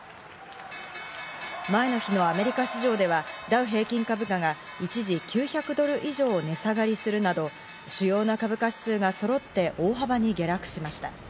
前の日のアメリカ市場では、ダウ平均株価が一時９００ドル以上、値下がりするなど主要な株価指数がそろって大幅に下落しました。